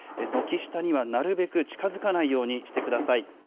軒下にはなるべく近づかないようにしてください。